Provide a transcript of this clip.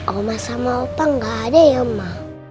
oma sama opa gak ada ya mak